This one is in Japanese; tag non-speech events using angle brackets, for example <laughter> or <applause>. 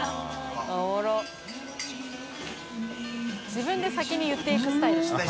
自分で先に言っていくスタイルですもんね <laughs>